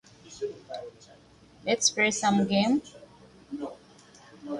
Detroit tied San Francisco for the division title, forcing a one-game playoff.